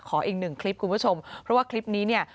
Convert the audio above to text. อีกหนึ่งคลิปคุณผู้ชมเพราะว่าคลิปนี้เนี่ย